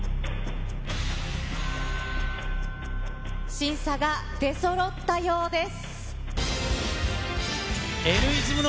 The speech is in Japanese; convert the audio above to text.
審査が出そろったようです。